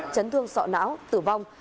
chấn thương sọ não tử vong